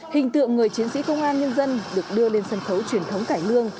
hình tượng người chiến sĩ công an nhân dân được đưa lên sân khấu truyền thống cải lương